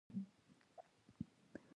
يو څه بايد نور هم را نېږدې شي.